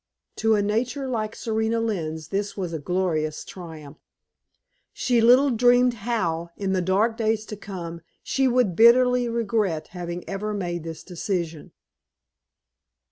To a nature like Serena Lynne's, this was a glorious triumph. She little dreamed how, in the dark days to come, she would bitterly regret having ever made this decision.